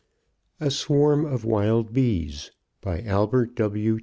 A SWARM OF WILD BEES By Albert W.